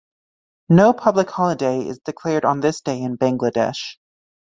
No public holiday is declared on this day in Bangladesh.